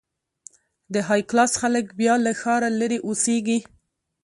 د های کلاس خلک بیا له ښاره لرې اوسېږي.